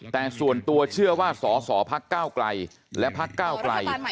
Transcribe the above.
แต่ส่วนตัวเชื่อว่าสอพลักษณ์กล้าวไกลและพลักษณ์กล้าวไกล